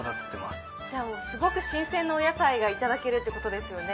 すごく新鮮なお野菜がいただけるってことですよね。